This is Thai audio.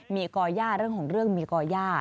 มีก่อย่าเรื่องของเรื่องมีก่อย่า